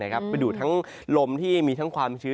ไปดูดทั้งลมที่มีทั้งความชื้น